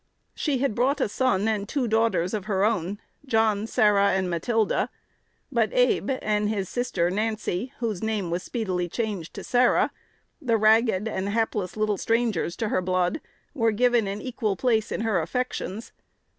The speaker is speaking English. She had brought a son and two daughters of her own, John, Sarah, and Matilda; but Abe and his sister Nancy (whose name was speedily changed to Sarah), the ragged and hapless little strangers to her blood, were given an equal place in her affections.